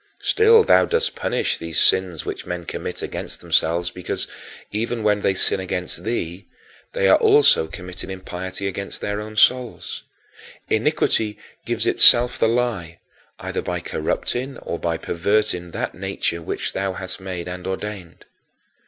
Still thou dost punish these sins which men commit against themselves because, even when they sin against thee, they are also committing impiety against their own souls. Iniquity gives itself the lie, either by corrupting or by perverting that nature which thou hast made and ordained.